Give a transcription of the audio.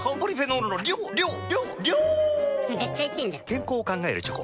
健康を考えるチョコ。